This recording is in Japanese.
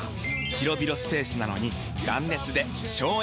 広々スペースなのに断熱で省エネ！